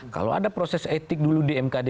kalau ada proses etik dulu di mkd